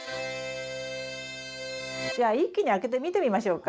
じゃあ一気にあけて見てみましょうか？